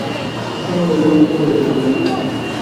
Ssawḍent ad rewlent.